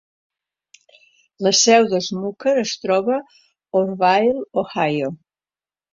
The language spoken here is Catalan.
La seu de Smucker es troba a Orrville, Ohio.